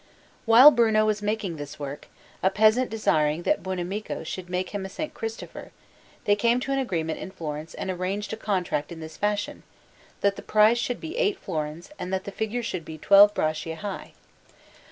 While Bruno was making this work, a peasant desiring that Buonamico should make him a S. Christopher, they came to an agreement in Florence and arranged a contract in this fashion, that the price should be eight florins and that the figure should be twelve braccia high.